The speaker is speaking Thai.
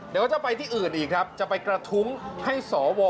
เดี๋ยวจะไปที่อื่นอีกครับจะไปกระทุ้งให้สว